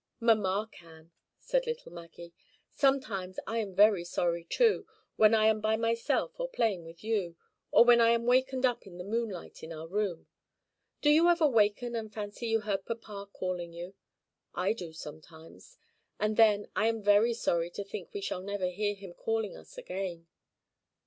"Mamma can," said little Maggie. "Sometimes I am very sorry too; when I am by myself or playing with you, or when I am wakened up by the moonlight in our room. Do you ever waken and fancy you heard papa calling you? I do sometimes; and then I am very sorry to think we shall never hear him calling us again."